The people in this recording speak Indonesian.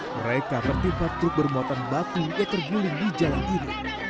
mereka tertimpa truk bermuatan batu yang terguling di jalan ini